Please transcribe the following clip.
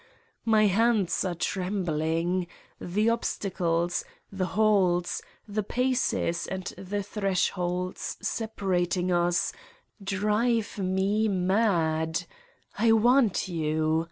My hands are trembling. The obstacles, the halls, the paces and the thresholds separating us drive me mad. I want you